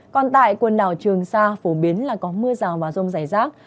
còn tại quần đảo trường sa phổ biến là có mưa rào và rông rải rác